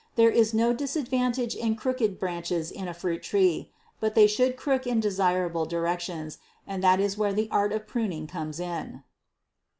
There is no disadvantage in crooked branches in a fruit tree, but they should crook in desirable directions, and that is where the art in pruning comes in.